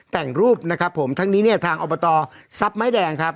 แต่งรูปนะครับผมทั้งนี้เนี่ยทางอบตทรัพย์ไม้แดงครับ